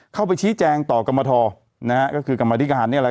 เข้าไปชี้แจ้งต่อกรมธอกษาศาสนา